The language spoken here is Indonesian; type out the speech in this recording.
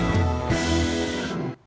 tim liputan tv